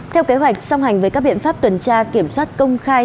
theo kế hoạch song hành với các biện pháp tuần tra kiểm soát công khai